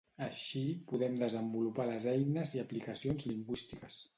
Així podem desenvolupar les eines i aplicacions lingüístiques.